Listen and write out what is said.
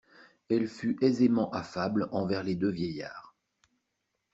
Elle fut aisément affable envers les deux vieillards.